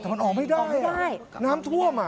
แต่มันออกไม่ได้น้ำท่วมอ่ะ